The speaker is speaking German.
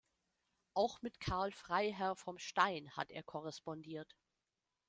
Auch mit Karl Freiherr vom Stein hat er korrespondiert.